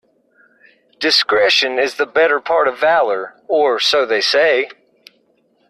Discretion is the better part of valour, or so they say.